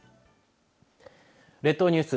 列島ニュース